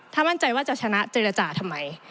ถ้ามั่นใจว่าจะชนะเจรจาทำไม